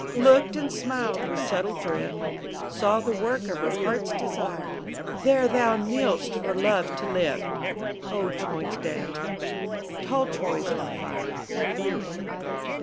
_ Looked and smiled with subtle drift, Saw the work of her heart's desire: "There thou kneel'st for Love to lift!" _(O Troy's down, Tall Troy's on fire!)